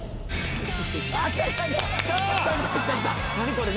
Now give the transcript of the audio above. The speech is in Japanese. これ。